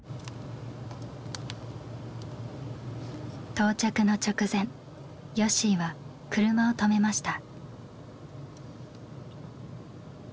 到着の直前よっしーは車を止めました。